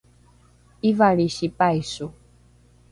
’ivalrisi paiso